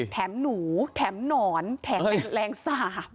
หนูแถมหนอนแถมแรงสาบ